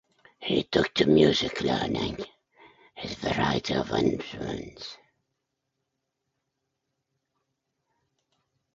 He took to music learning his variety of instruments.